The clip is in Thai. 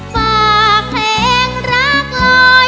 ฝากเพลงรักลอย